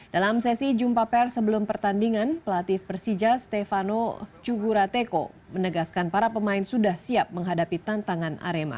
dalam sesi jumpa per sebelum pertandingan pelatih persija stefano cugurateko menegaskan para pemain sudah siap menghadapi tantangan arema